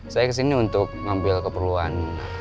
saya kesini untuk ngambil keperluan